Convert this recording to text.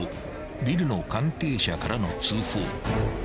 ビルの関係者からの通報］